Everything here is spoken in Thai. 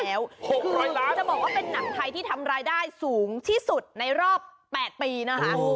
จะบอกว่าเป็นหนังไทยที่ทำรายได้สูงที่สุดในรอบ๘ปีนะคะ